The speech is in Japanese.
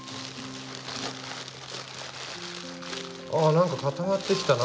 あなんか固まってきたな。